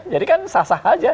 jadi kan sah sah saja